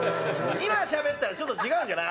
今、しゃべったらちょっと違うんじゃない？